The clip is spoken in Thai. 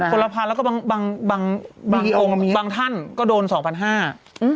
คนละ๑๐๐๐บาทแล้วก็บางท่านก็โดน๒๕๐๐บาท